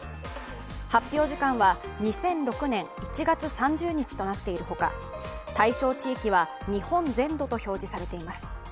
発表時間は２００６年１月３０日となっている他、対象地域は日本全土と通知されています。